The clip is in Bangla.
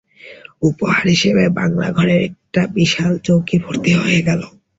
উপহার দিয়ে বাংলাঘরের একটা বিশাল চৌকি ভর্তি হয়ে গেল।